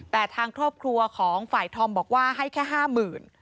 แต่ทางครอบครัวของฝ่ายธอมบอกว่าให้แค่ห้าหมื่น